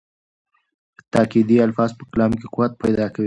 تاکېدي الفاظ په کلام کې قوت پیدا کوي.